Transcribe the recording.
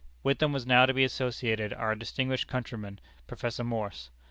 With them was now to be associated our distinguished countryman, Professor Morse.